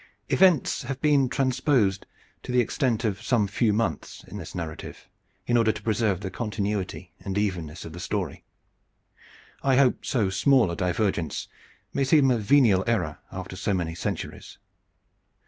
Events have been transposed to the extent of some few months in this narrative in order to preserve the continuity and evenness of the story. I hope so small a divergence may seem a venial error after so many centuries.